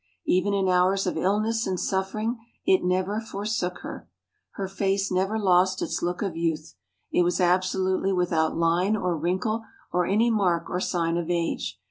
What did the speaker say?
Even in hours of illness and suffering it never forsook her. Her face never lost its look of youth. It was absolutely without line or wrinkle or any mark or sign of age.